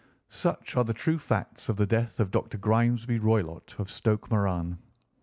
Such are the true facts of the death of Dr. Grimesby Roylott, of Stoke Moran.